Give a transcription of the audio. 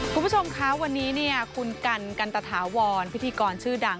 คุณผู้ชมคะวันนี้เนี่ยคุณกันกันตะถาวรพิธีกรชื่อดัง